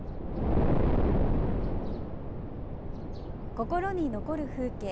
「心に残る風景」。